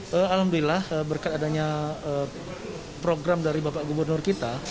alhamdulillah berkat adanya program dari bapak gubernur kita